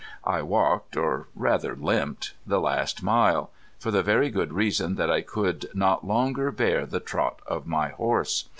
I walked, or rather limped the last mile, for the very good reason that I could not longer bear the trot of my horse.